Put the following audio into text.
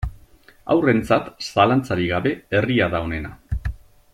Haurrentzat, zalantzarik gabe, herria da onena.